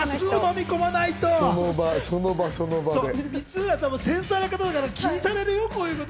光浦さんも繊細な方だから気にされるよ。